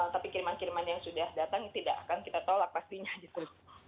tapi kiriman kiriman yang sudah datang tidak akan kita tolak pastinya gitu